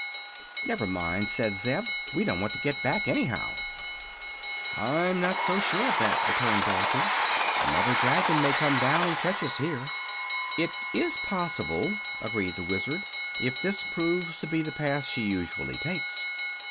"Never mind," said Zeb, "we don't want to get back, anyhow." "I'm not so sure of that," returned Dorothy. "The mother dragon may come down and catch us here." "It is possible," agreed the Wizard, "if this proves to be the path she usually takes.